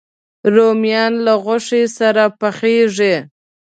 رومیان له غوښې سره پخېږي